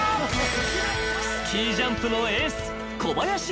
［スキージャンプのエース］